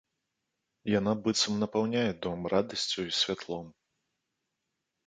Яна быццам напаўняе дом радасцю і святлом.